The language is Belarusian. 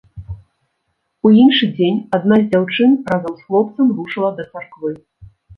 У іншы дзень адна з дзяўчын разам з хлопцам рушыла да царквы.